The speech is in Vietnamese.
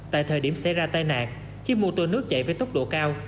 tại thời điểm xảy ra tai nạn chiếc mô tô nước chạy với tốc độ cao